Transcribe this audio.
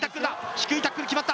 低いタックル決まった。